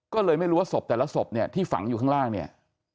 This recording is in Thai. ก็เลยไม่รู้ว่าศพแต่ละศพเนี่ยที่ฝังอยู่ข้างล่างเนี่ย